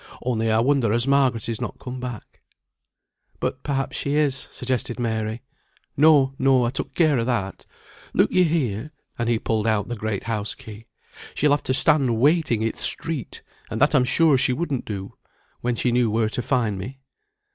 Only I wonder as Margaret is not come back." "But perhaps she is," suggested Mary. "No, no, I took care o' that. Look ye here!" and he pulled out the great house key. "She'll have to stand waiting i' th' street, and that I'm sure she wouldn't do, when she knew where to find me."